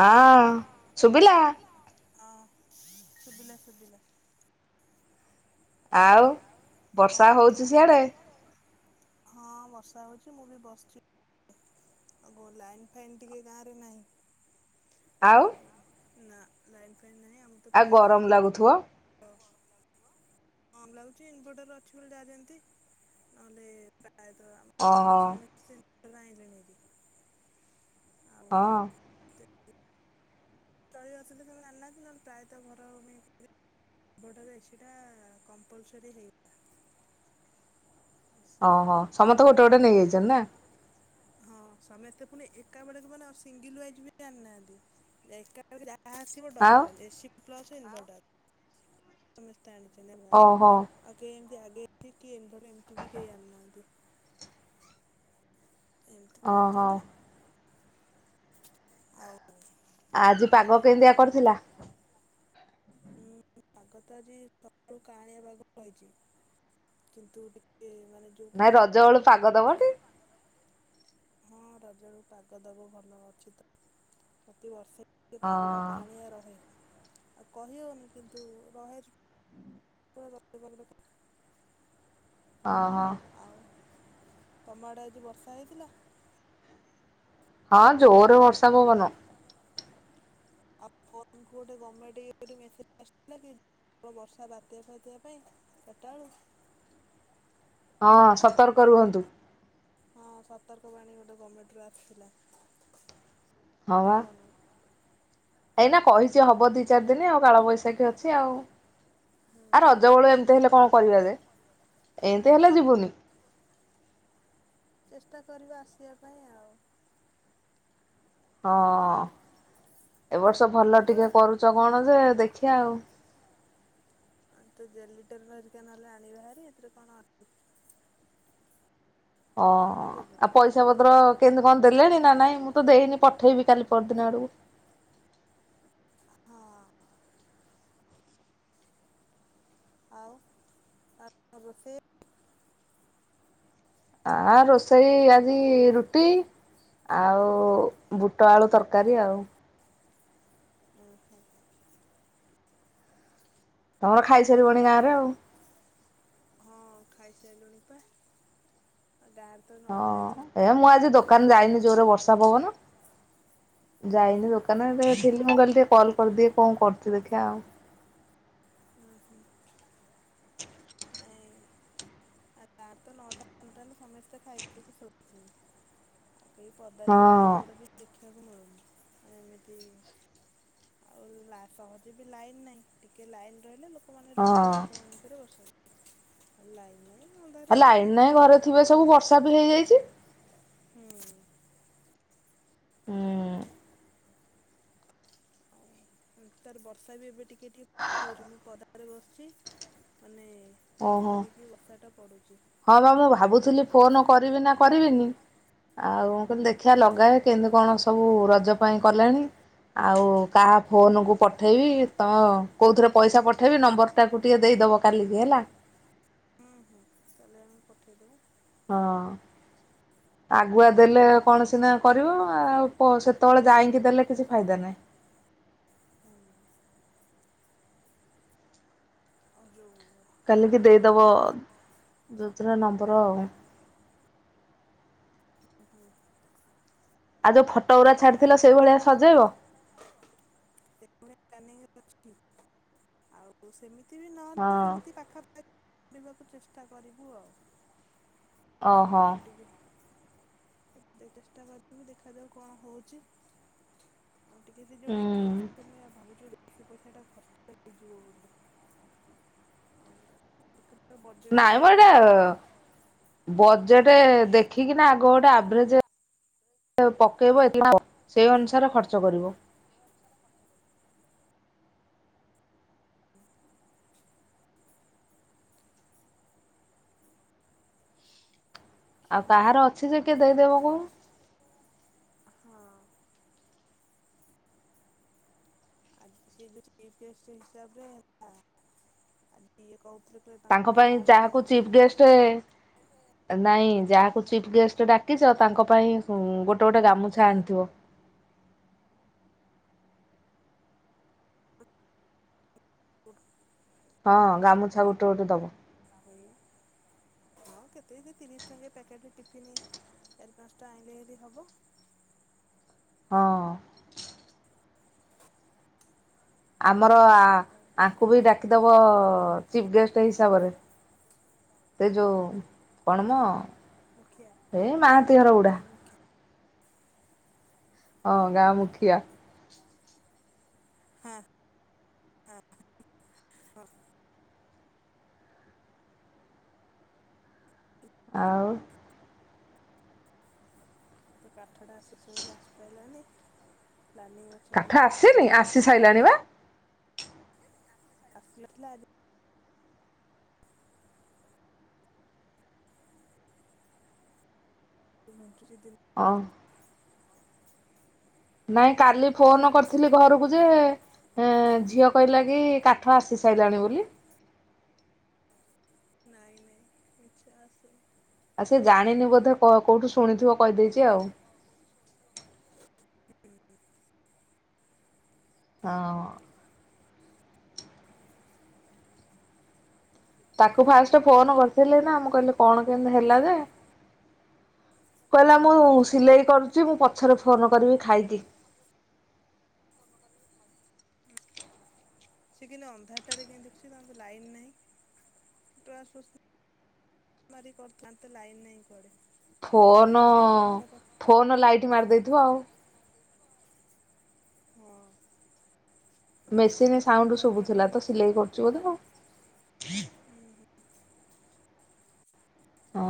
ହଁ ଶୁଭିଲା? ହଁ ଶୁଭିଲା ଶୁଭିଲା। ଆଉ କଣ କରୁଥିଲ? ହଁ ବର୍ଷା ହୋଉଚି ମୁଁ ବି ବସଚି। ଆଉ ଗୋ ଲାଇନ୍ ଫାଇନ୍ ଟିକେ ଗାଁରେ ନାହିଁ ଆଉ ନା ଲାଇନ୍ ଫାଇନ୍ ନାହିଁ ଆମର ଆଉ ଗରମ ଲାଗୁଥିବ? ଗରମ୍ ଲାଗୁଚି ଇନଭଟର ଅଛି ବୋଲି ଯାହା ଯେମିତି ନହେଲେ ପ୍ରାୟତଃ ଆମ ଗାଁରେ ବି ସମସ୍ତେ ସେମି ଆଇଁଲେଣି ହାରି ଆଉ ରହି ଆସନ୍ତି ସେ ମତେ ଜାଣିନାହାନ୍ତି ନହେଲେ ପ୍ରାୟତଃ ଘର ମୁଁ ଏବେଠାରୁ ଏସିଟା କମ୍ପଲସରି ହେଇ ଅହ ସମସ୍ତେ ଗୋଟେ ଗୋଟେ ନେଇଯାଇଚନ୍ତି ନା? ହଁ ସମେସ୍ତେ ପୁଣି ଏକା ବେଳକୁ ମାନେ ଆଉ ସିଙ୍ଗିଲ୍ ୱାଇଜ୍ ବି ଆଣିନାହାନ୍ତି। ଏକା ବେଳକରେ ଆସ୍ double A C plus inverter ସମସ୍ତେ ଆଣିଛନ୍ତି ଆମ ଗାଁରେ। କେହି ଏମିତି ଆଡେଇ କି କିଏ ଇନଭଟର୍ ଏମତି ବି କେହି ଆଣିନାହାନ୍ତି। ଏମତି କରିଚନ୍ତି ଆଉ ଆଜି ପାଗ କେନ୍ତିଆ କରିଥିଲା? ହୁଁ ପାଗ ତ ଆଜି ସକାଳୁ କାଆଁଳିଆ ପାଗ ହେଇଚି। କିନ୍ତୁ ଟିକେ ମାନେ ଯୋ ନାଇଁ ରଜ ବେଳ ର ହଁ ରଜରୁ ପାଗ ଦବ ଭଲ ଅଛି ତ ପ୍ରତିବର୍ଷ ସେ ପାଗଟା କାଆଁଳିଆ ରହେ ଆଉ କହିହୋଉନି କିନ୍ତୁ ରହେ ତେବେ [unintelligible] ଅହ। ଆଉ ତମ ଆଡେ ଆଜି ବର୍ଷା ହେଇଥିଲା? ହଁ ଜୋରେ ହଁ ଜୋରେ ବର୍ଷା ପବନ। ଆଉ କଣ କୋଉ ଗୋଟେ ଗମେଣ୍ଟ ଇଏରୁ ମେସେଜ ଆସିଥିଲା କି? ପ୍ରବଳ ବର୍ଷା ବାତ୍ୟା ଫାତିଆ ପାଇଁ ଚାରଟା ବେଳୁ? ହଁ ସତର୍କ ରୁହନ୍ତୁ। ହଁ ସତର୍କ ବାଣୀ ଗୋଟେ ଗମେଣ୍ଟରୁୁ ଆସିଥିଲା। ମୋ ଫୋନକୁ। ଏଇନା କହିଚି ହବ ଦିଇ ଚାରି ଦିନ ଆଉ କାଳ ବୈଶାଖୀ ଅ ଅଛି ଆଉ ଆ ରଜ ବେଳୁ ଏମିତି ହେଲେ କଣ କରିବା ଯେ? ଏମତି ହେଲେ ଯିବୁନି। ଚେଷ୍ଟା କରିବା ଆସିବା ପାଇଁ ଆଉ। ହଁ-ଅ-ଅ-ଅ ଏବ ବର୍ଷ ଭଲ ଟିକେ କରୁଛ କଣ ଯେ ଦେଖିବା। ଆଉ ତ ଜେଲିଟର ହେରିକା ନହେଲେ ଆଣିବାହାରି ଏଥିରେ କଣ ଅଛି। ଅ-ଅ ଆଉ ପଇସା ପତ୍ର କେମନ୍ତି କଣ ଦେଲେଣି ନା ନାଇଁ ମୁଁ ତ ଦେଇନି ପଠେଇବି କାଲି ପରଦିନ ଆଡ଼କୁ। ହଁ। ଆଉ ଆ ରୋଷେଇ ଆ-ଆ ରୋଷେଇ ଆଜି ରୁଟି ଆଉ ବୁଟ ଆଳୁ ତରକାରୀ ଆଉ। ଉ ହୁଁ। ଆମର ତ ଆଜି ଲାଷ୍ଟ୍ ହଁ ଖାଇସାରିଲୁଣି ପା ଆଉ ଗାଁ ହଁ ଏ ମୁଁ ଆଜି ଦୋକାନ ଯାଇନି। ଜୋରେ ବର୍ଷା ପବନ ଯାଇନି ଦୋକାନ ଏବେ [unintelligible] ମୁଁ କହିଲି ଟିକେ କଲ କରିଦିଏ କଣ କରୁଛି ଦେଖିଆ ଆଉ। ହୁଁ ହୁଁ ନାଇ ଆଉ ତାର ତ ନଅଟା ସାଢେ ନଟା ହେଲେ ସମସ୍ତେ ଖାଇ ପିଇକିକ ଶୋଉ ଥିବେ। ଆଉ କେହି ପଦାରେ ବି ଗାଡ଼ି ଗୋଡ଼ା ବି ଦେଖିବାକୁ ମିଳୁନି ମାନେ ଏମିତି ଆଉ ଲା ସହଜେ ବି ଲାଇନ ନାଇଁ ଟିକେ ଲାଇନ ରହିଲେ ଲୋକମାନେ ରୁହନ୍ତୁ ଛକ ମାନ ଙ୍କରେ ବସନ୍ତି ଲାଇନ୍ ନାଇ। ହେ ଆାଇନ ନାହିଁ ଘରେ ଥିବେ ସବୁ ବର୍ଷା ବି ହେଇଯାଇଛି। ହୁଁ। ହୁଁ। ଆଉ ତାର ବର୍ଷା ବି ଏବେ ଟିକିଏ ଟିକେ ହେଉଛି ମୁଁ ପଦାରେ ବସିଛି ମାନେ-ଏ-ଏ ଫିରି ଫିରିିକି ବର୍ଷା ଟା ପଡୁଛି। ହଁ ବା ମୁଁ ଭାବୁଥିଲି ଫୋନ କରିବି ନା କରିବିନି ଆଉ କହିଲି ଦେଖିବା ଲଗାଏ କେନ୍ତି କଣ ସବୁ-ଉ-ଉ ରଜ ପାଇଁ କଲେଣି। ଆଉ କାହା ଫୋନକୁୁ ପଠେଇବି ତମ କୋଉଥିରେ ପଇସା ପଠେଇବି ନମ୍ବରଟାକୁ ଟିକେ ଦେଇଦବ କାଲିିକି ହେଲା। ହୁଁ ହୁଁ କାଲି ଆମେ ପଠେଇଦବୁ। ହଁ। ଆଗୁଆ ଦେଲେ କୌଣସି ନା କରିବ ଆଉ। କ ସେତେବେଳେ ଯାଇକି ଦେଲେ କିଛି ଫାଇଦା ନାହିଁ। ହୁଁ। ଆ ଯଉ-ଉ-ଉ। କାଲିିକି ଦେଇଦବ ଯେତେ ଟା ନମ୍ବର ଆଉ। ହୁଁ। ଆଉ ଯୋଉ ଫଟ୍ ହଁ ଦି ଯୋଉ ସେଇଭଳିଆ ପ୍ଲାନିଂ [unintelligible] କି? ଆଉ ସେମିତି ବି ନହଲେ ସେମିତି ପାଖାପାଖି କରିବାକୁ ଚେଷ୍ଟା କରିବୁ ଆଉ। ମୁଁ ଟିକେ [unintelligible] ଚେଷ୍ଟା କରିିବୁ ଦେଖାଯାଉ କଣ ହଉଛି। ଆଉ ଟିକେ ସେ ଯୋଉ [unintelligible] [unintelligible] ଭାବୁଛୁ ବେଶୀ ପଇସା ଟା ଖର୍ଚ୍ଚ ହେଇଯିବ ବୋଲି। ଆଉ [unintelligible] ବଜେଟ୍ ତ ଏତିକି ଅଛି। ବଜେଟ୍ ଦେଖିକିନା ଆଗ ଗୋଟେ ଆଭରେଜ ପକେଇବ [unintelligible] ସେଇ ଅନୁସାରେ ଖର୍ଚ୍ଚ କରିବ ସେଇ ଅନୁସାରେ ଖର୍ଚ୍ଚ କରିବୁ। ହୁଁ ଆଉ କାହାର ଅଛି ଯେ କିଏ ଦେଇଦେବକୁ। ହଁ। ଆ ସେ ଯୋଉ ଚ ଗେଷ୍ଟ ହିସାବରେ ହେଲା ଆଏ କ [unintelligible] ତାଙ୍କର ଗାଁରେ ଜଣନ୍ତି। [unintelligible] ନାଇଁ ଯାହାକୁ ଚିଫ୍ ଗେଷ୍ଟ ଡାକିଛ ତାଙ୍କ ପାଇଁ ଗୋଟେ ଗୋଟେ ଗାମୁଛା ଆଣିଥିବ। କୁର୍। ହଁ ଗାମୁଛା ଗୋଟେ ଗୋଟେ ଦବ। ହୁଁ। ହଁ କେତେ ସେ ତିରିଶ ଟଙ୍କି ପ୍ୟାକେଟ ଟିଫନ୍ ଚାରି ପାଞ୍ଚ ଟା ଆଣିଲେ ହେ ହବ। ହଁ। [inaudible] ଆମର ଆଙ୍କୁ ବି ଡାକିଦବ ଚିଫ୍ ଗେଷ୍ଟ ହିସାବରେ। ଚିଫ ଗେଷ୍ଟ ହିସାବରେ। ସେ ଯୋଉ କଣ ମ ଏଇ ମାହାତିହର ଉୁଡ଼ା। ହଁ ଗାଁ ମୁଖିଆ। ଗା ମୁଖିଆ। ହଁ। ଆଉ। ଆଉ ତ କାଠ ଟା ଆସି ସେ ବୋଲି ଆସି ପାରିଲାନି ପ୍ଲାନିଂ କିଛି ପୁଣି କଣ କହୁଛନ୍ତି। ମିଠ ଲ [unintelligible] ମୁଖ୍ୟମନ୍ତ୍ରୀ ଦିଲ୍ଥିଲେ [unintelligible] ହଁ। ନାଇଁ କାଲି ଫୋନ କରିଥିଲି ଘରକୁ ଯେ ହଁ ଝିଅ କହିଲା କି କାଠ ଆସି ସାରିଲାଣି ବୋଲି। ା [inaudible] ନାଇଁ ନାଇଁ ମଛ ଆସେ। ଆଉ ସେ ଜାଣିନି ବୋଧେ କୋଉଠୁ ଶୁଣିଥିବ କହିଦେଇଛି ଆଉ। ହଁ। ତାକୁ ଫାଷ୍ଟ ଫୋନ କରିଥିଲି ନା ମୁଁ କହିଲି କଣ କେମତି ହେଲା ଯେ। କହିଲା ମୁଁ ସିଲେଇ କରୁଛି ମୁଁ ପଛରେ ଫୋନ କରିବି ଖାଇକି। ଫୋନ କରିବି ଖାଇ। ସେ କିି ଅନ୍ଧାରଟାରେ କେ ଦେଖୁଛି ତା ଲାଇନ ନାହିଁ। ମାରି କରିଥା ତ ଲାଇନ ନାହିଁ କଆଡେ। ଫୋନ ଫୋନ ଲାଇଟ୍ ମାରି ଦେଇେଇଥିବ ଆଉ। ଖକି ମାରି ଦେଇେଇଥିବ ଆଉ। ହଁ। ମେସିନେ ସାଉଣ୍ଡ ସବୁ ଥିଲା ତ ସିଲେଇ କରୁଛୁ ବୋଧେ ଆଉ। ହୁଁ ହୁଁ। ହଁ।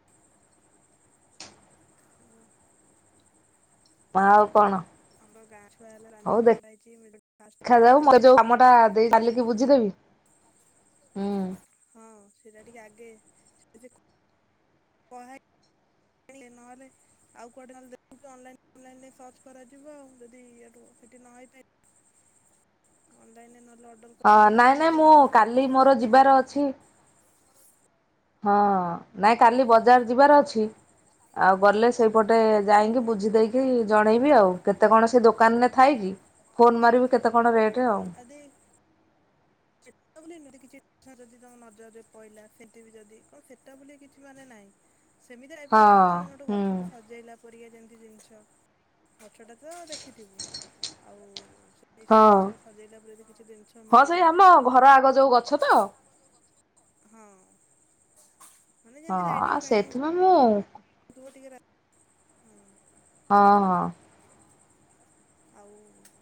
ହ [unintelligible] ମା ଆଉ କଣ? ହଉ ଦେଖ ଦେଖାଯାଉ ମୁ ଯୋଉ କାମଟା ଦେଇ ଚାଲିକି ବୁଝିଦେବି। ହୁଁ। ହଁ ସେଟା ଟିକେ ଆଗେ ସେ। ନହେଲେ ଆଉ କୁଆଡେ ନହେଲେ ଲାଇନ ସର୍ଚ୍ଚ କରାଯିବ ଆଉ ଯଦି ସେଠି ନ ହେଇପିବ। ଅନନ ନହଲେ ଅର୍ରଡଁ [unintelligible] ହଁ ନାଇଁ କାଲି ବଜାର ଯିବାର ଅଛି ଆଉ ଗଲେ। ସେଇପଟେ ଯାଇକି ବୁଝି ଦେଇେଇକି ଜଣେଇବି ଆଉ କେତେ କଣ ସେ ଦୋକାନରେ ଥାଇ କି। ଫୋନ୍ ମାରିବୁ କେତେ କଣ ରେଟ୍ ଆଉ। ସେଇଟା ହେଲେ ଏମିତି କିଛି ଯଦି ତମ ନଜରରେ ପଇଲା ସେମିତି ବି ଯଦି କଣ ସେଟା ବୋଲି କିଛି ମାନେ ନାହିଁ। ସେମିତି ଆଇ [unintelligible] ଯଦି କିଛି ମାନେ ଗୋଟେ ଗଛକୁ ସଜେଇଲା? ପରିକା ଯେମିତି ଜିନିଷ ଗଛଟା ତ ଦେଖିଥିବୁ ଆଉ ଇ ସେଇ ଜିନିଷ ସଜେଇଲା ପରେ ଯଦି କିଛି ଜିନିଷ ମିଳିଲା। ହଁ ଘର ଆଗ ଯୋଉ ଗ ଅଛ ତ। ମାନେ ଯେମିତି ଲାଇଟିଙ୍ଗ ଫାଇଟିଙ୍ଗ ହ ତୁ ଟିକେ ରା ହୁଁ। ହଁ ହଁ। ଆଉ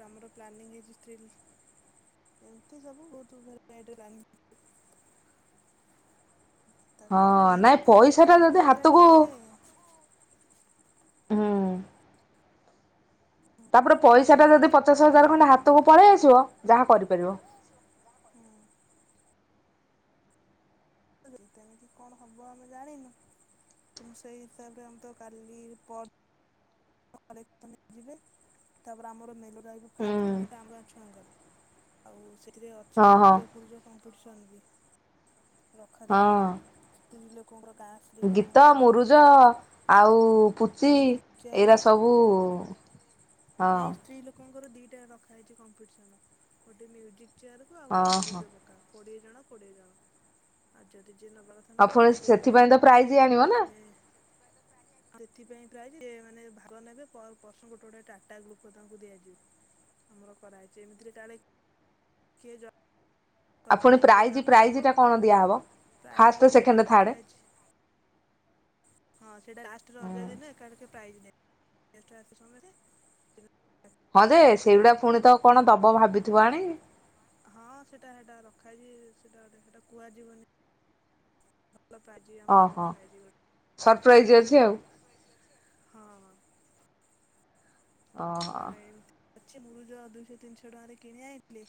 ତମର ପ୍ଲାନିଂ ହେଇଛି ଷ୍ଟିଲ ଏମିତି ସବୁ ବହୁ [unintelligible] ରାନ୍ଧ ତାପରେ ମେନ୍ କଣ ସେ ଚାନ୍ଦୁଆ ଟା ଟିକେ ହୁଁ। ତାପରେ ପଇସା ଟା ଯଦି ପଚାଶ ହଜାର ଖଣ୍ଡେ ହାତକୁ ପଳେଇ ଆସିବ ଯାହା କରିପାରିବ। ହୁଁ। ରିଟର୍ନ କଣ ହବ ଆମେ ଜାଣିନୁ କିନ୍ତୁ ସେଇ ହିସାବରେ ଆମେ ତ କାଲି ପର କଲେଜ୍ ଫଲେଜ୍ ଯିବେ ତାପରେ ଆମର ମେଲ ରହିବେ ଫାଷ୍ଟ ତିିନଟା ଆମର ଛୁଆଙ୍କର। ଆଉ ସେଥିରେ ଅଛି ମୁରୁଜ ଫୁରୁଜ କମ୍ପିଟିସନ ବି ରଖାଯାଇଛି। ତିନ ଲୋକଙ୍କର ଗାଁ ଗୀତ ମୁରୁଜ ଆଉ ପୁଚି ଏଇରା ସବୁ ହଁ। ସେଇ ଲୋକଙ୍କର ଦିଟା ରଖା ହେଇଛି କମ୍ପିଟିସନ ଗୋଟେ ମ୍ୟୁଜିକ ଚେୟାରକୁ ଆଉ ଗୋଟେ ମୁରୁଜପକା। କୋଡିଏ ଜଣ କୋଡିଏ ଜଣ ଆ ଯୋଉଟା ଯିଏ ନବା କଥା ଆଉ ଫାଷ୍ଟ ସେଥିପାଇଁ ତ ପ୍ରାଇଜ ଆଣିବ ନା। ସଚିବ ପ୍ରାର ସେଥିପାଇଁ ପ୍ରାୟ ମାନେ ଭାଗ ନେବେ ପର ପର୍ସନ ଗୋଟେ ଗୋଟେ ଟାଟା ଗ୍ଲୁକୋ ଦିଆଯିବ। ଆମର କରାହେଇଛି ଏମିତିରେ କାଳେ କିଏ ଯାଉ ଆ ପୁଣି ପ୍ରାଇଜ୍ ପ୍ରାଇଜ ଟା କଣ ଦିଆହେବ ଫାଷ୍ଟ ସେକେଣ୍ଡ ଥାର୍ଡ଼୍ ହଁ ସେଇଟା ଲାଷ୍ଟ ରଜ ଦିନ ଏକା ବେଳେ ପ୍ରାଇଜ୍ ନେବେ ନେଷ୍ଟ ସମୟ [unintelligible] ଏକ୍ସଟ୍ରା ଦିଆ ଯିବ। ହଁ ସେଟା ସେଇଟା ରଖାହେଇଛି ସେଟା ସେଟା କୁହାଯିବନି। ଭଲ ପାଜି ଆମର ରଖା ଯିବ ସର୍ପ୍ରାଇଜ୍ ଅଛି ଆଉ। ହଁ। ଆଉ ଏମତି ଅଛି ମୁରୁଜ ଦୁଇଶହ ତିନିଶହ ଟଙ୍କାରେ କିଣି ଆଇଁଲେ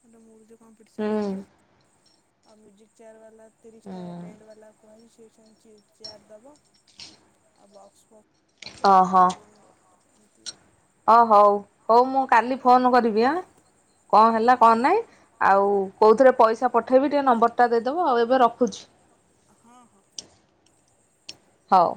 ମୁଁ ତମୁରୁଜ କମ୍ପିଡ୍‌ସନ ହେଇଯିବ ଆଉ ମ୍ୟୁଜିକ୍ ଚେୟାର ବାଲା ତିରିଶ ଟା ଟେଣ୍ଟ ବାଲାକୁ କୁହାଯାଇଛି ସେ ସେମିତି ଚେୟାର ଦବ ଆଉ ବକ୍ସ ଫକ୍ସ୍ ଆବୁ ହାଲୋ ଜିନ୍‌ ଅ ହଁ ଏମତି ଆଉ। ହଁ ହଉ ହଉ ମୁଁ କାଲି ଫୋନ କରିବି ଆଁ କଣ ହେଲା କଣ ନାହିଁ ଆଉ କୋଉଥିରେ ପଇସା ପଠେଇବି ଟିକେ ନମ୍ବର ଟା ଦେଇଦବୁ ଆଉ ଏବେ ରଖୁଛି। ହଉ।